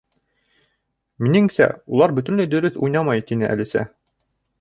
—Минеңсә, улар бөтөнләй дөрөҫ уйнамай, —тине Әлисә.